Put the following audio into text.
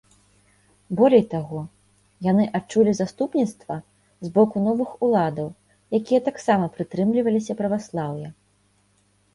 Болей таго, яны адчулі заступніцтва з боку новых уладаў, якія таксама прытрымліваліся праваслаўя.